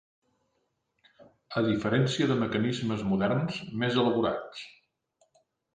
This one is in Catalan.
A diferència de mecanismes moderns més elaborats.